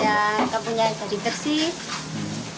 ya kampungnya jadi bersih